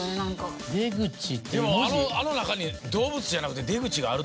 でもあの中に動物じゃなくて出口があるってこと？